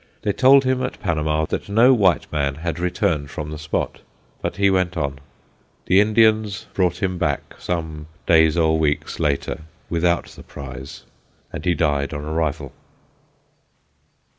They told him at Panama that no white man had returned from the spot, but he went on. The Indians brought him back, some days or weeks later, without the prize; and he died on arrival.